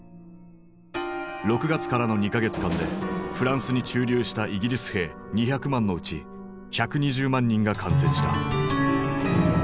６月からの２か月間でフランスに駐留したイギリス兵２００万のうち１２０万人が感染した。